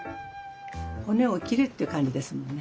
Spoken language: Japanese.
骨を切るっていう感じですもんね。